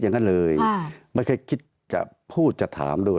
ตั้งแต่เริ่มมีเรื่องแล้ว